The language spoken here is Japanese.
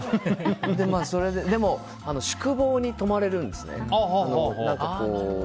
でも宿坊に泊まれるんですね。